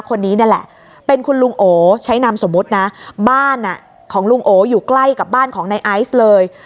คนนี้นั่นแหละเป็นคุณลุงโอใช้นามสมมุตินะบ้านของลุงโออยู่ใกล้กับบ้านของในไอซ์เลย